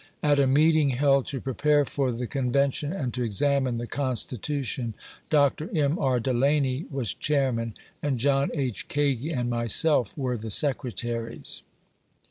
At a meeting held to prepare for the Convention and to examine the Constitution, Br. M. B. Delany was Chairman, and John H. Kagi and myself were the Secretaries.